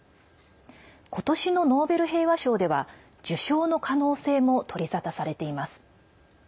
今年のノーベル平和賞では受賞の可能性も取り沙汰されています。